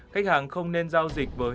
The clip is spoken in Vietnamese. khách hàng không nên giao dịch với